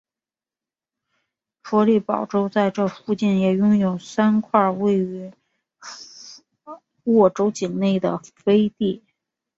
弗里堡州在这附近也拥有三块位于沃州境内的飞地。